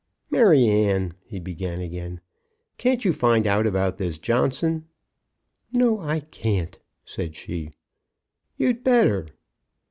"Maryanne," he began again, "can't you find out about this Johnson?" "No; I can't," said she. "You'd better."